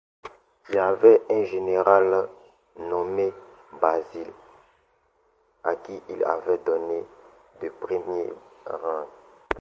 Il avait un général nommé Basile à qui il avait donné le premier rang.